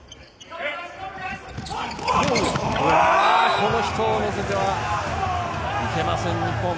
この人を乗せてはいけません日本。